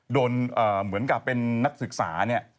โดนเหมือนกับเป็นนักศึกษา